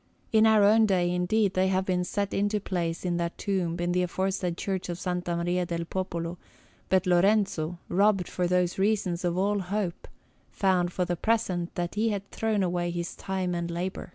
In our own day, indeed, they have been set into place on that tomb in the aforesaid Church of S. Maria del Popolo; but Lorenzo, robbed for those reasons of all hope, found for the present that he had thrown away his time and labour.